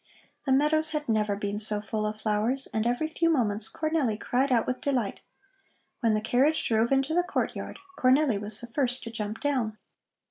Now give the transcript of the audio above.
The meadows had never been so full of flowers, and every few moments Cornelli cried out with delight. When the carriage drove into the courtyard, Cornelli was the first to jump down.